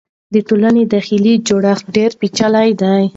د ټولنې داخلي جوړښت ډېر پېچلی دی.